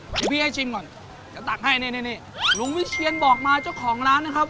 เดี๋ยวพี่ให้ชิมก่อนจะตักให้นี่นี่ลุงวิเชียนบอกมาเจ้าของร้านนะครับ